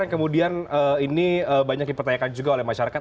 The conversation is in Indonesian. yang kemudian ini banyak dipertanyakan juga oleh masyarakat